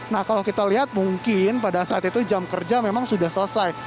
nah kalau kita lihat mungkin pada saat itu jam kerja memang sudah selesai